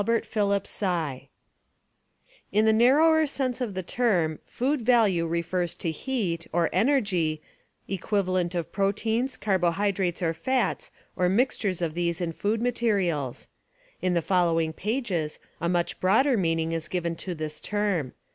I Food Values In the narrower sense of the term food value refers to heat — or energy equivalent of proteins, carbohydrates or fats or mixtures of these in food materials. In the following pages a much broader meaning is given to this term.